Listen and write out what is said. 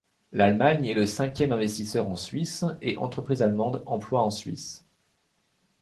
L'Allemagne est le cinquième investisseur en Suisse et entreprises allemandes emploient en Suisse.